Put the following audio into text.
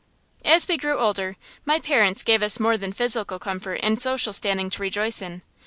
As we grew older, my parents gave us more than physical comfort and social standing to rejoice in.